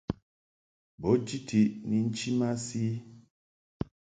Bo jiti ni nchi masi.